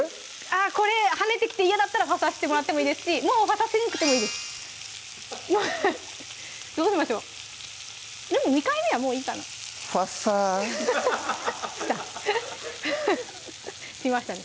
これ跳ねてきて嫌だったらファサしてもらってもいいですしもうファサしなくてもいいですどうしましょうでも２回目はもういいかなファサしましたね